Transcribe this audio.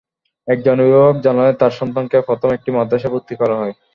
একজন অভিভাবক জানালেন, তাঁর সন্তানকে প্রথম একটি মাদ্রাসায় ভর্তি করা হয়।